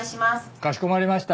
かしこまりました。